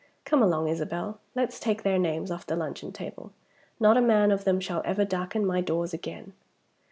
Come along, Isabel! Let's take their names off the luncheon table. Not a man of them shall ever darken my doors again!"